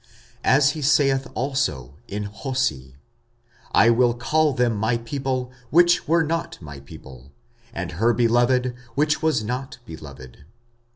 45:009:025 As he saith also in Osee, I will call them my people, which were not my people; and her beloved, which was not beloved.